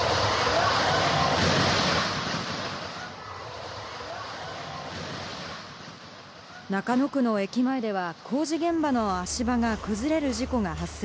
天気急変に見舞われた、中野区の駅前では工事現場の足場が崩れる事故が発生。